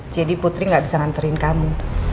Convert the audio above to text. jadi putri gak bisa nganterin kamu